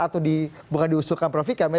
atau bukan diusulkan prof ikam ya